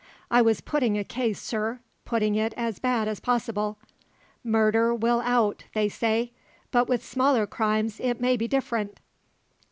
"I was putting a case, sir putting it as bad as possible. 'Murder will out,' they say; but with smaller crimes it may be different."